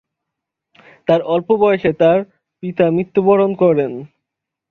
তার অল্প বয়সেই তার পিতা মৃত্যুবরণ করেন।